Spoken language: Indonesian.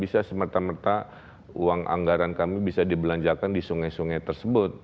bisa semerta merta uang anggaran kami bisa dibelanjakan di sungai sungai tersebut